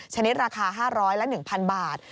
ชนิดราคา๕๐๐และ๑๐๐บาท